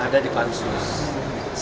ada di pansus